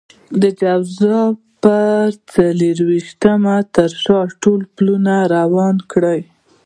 د جوزا پر څلور وېشتمه تر شا ټول پلونه وران کړئ.